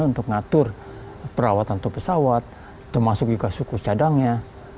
untuk mengatur perawatan pesawat termasuk juga suku cadangnya